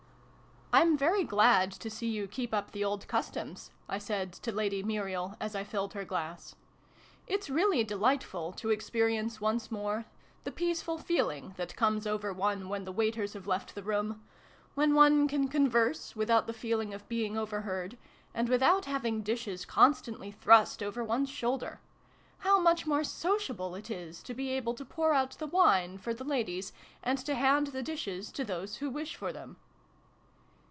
138 SYLVIE AND BRUNO CONCLUDED. " I'm very glad to see you keep up the old customs," I said to Lady Muriel as I filled her glass. " It's really delightful to experience, once more, the peaceful feeling that comes over one when the waiters have left the room when one can converse without the feeling of being overheard, and without having dishes constantly thrust over one's shoulder. How much more sociable it is to be able to pour out the wine for the ladies, and to hand the dishes to those who wish for them